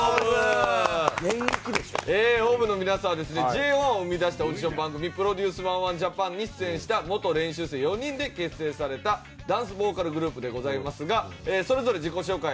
ＯＷＶの皆さんはですねＪＯ１を生み出したオーディション番組『ＰＲＯＤＵＣＥ１０１ＪＡＰＡＮ』に出演した元練習生４人で結成されたダンスボーカルグループでございますがそれぞれ自己紹介